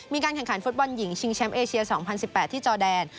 มีการแข่งขันฟุตบอลหญิงชิงแชมป์เอเชีย๒๐๑๘ที่จอแดน